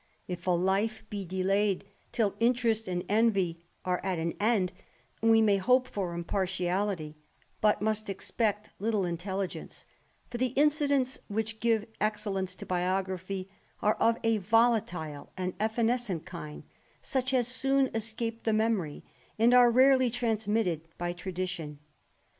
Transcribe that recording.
If a life be delayed till interest and envy are at an end, we may hope tat impartiality, but must expect Uitle intelligence ; for the incidents which give excellence to biography are of a volatile and evanescent kind, such as soon escape the memory, and are rarely transmitted by tradition.